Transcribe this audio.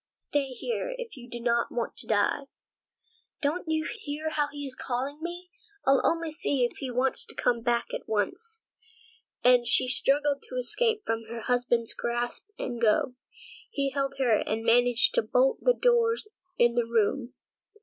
Stay here, if you don't want to die." "Don't you hear how he is calling me? I'll only see what he wants and come back at once." And she struggled to escape from her husband's grasp and go. He held her fast and managed to bolt all the doors in the room.